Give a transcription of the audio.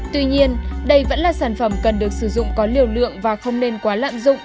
tuy nhiên đây vẫn là sản phẩm cần được sử dụng có liều lượng và không nên quá lạm dụng